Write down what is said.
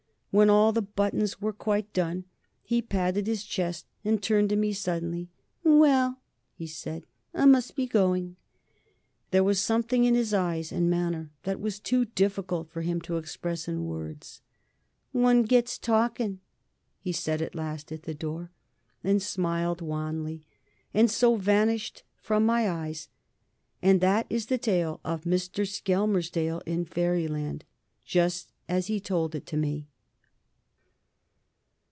When all the buttons were quite done, he patted his chest and turned on me suddenly. "Well," he said, "I must be going." There was something in his eyes and manner that was too difficult for him to express in words. "One gets talking," he said at last at the door, and smiled wanly, and so vanished from my eyes. And that is the tale of Mr. Skelmersdale in Fairyland just as he told it to me.